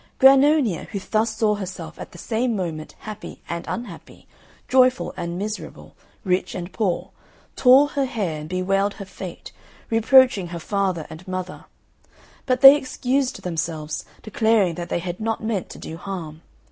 Grannonia, who thus saw herself at the same moment happy and unhappy, joyful and miserable, rich and poor, tore her hair and bewailed her fate, reproaching her father and mother; but they excused themselves, declaring that they had not meant to do harm.